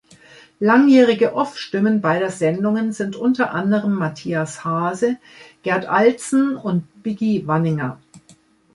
Langjährige Off-Stimmen beider Sendungen sind unter anderem Matthias Haase, Gerd Alzen und Biggi Wanninger.